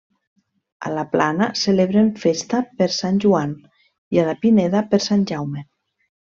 A la Plana celebren festa per Sant Joan, i a la Pineda, per Sant Jaume.